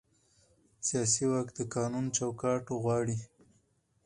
سیاسي واک د قانون چوکاټ غواړي